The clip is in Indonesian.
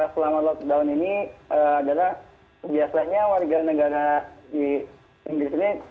selama lockdown ini adalah biasanya warga negara di inggris ini